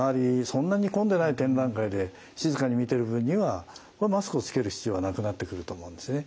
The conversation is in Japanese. そんなに混んでない展覧会で静かに見てる分にはマスクをつける必要はなくなってくると思うんですね。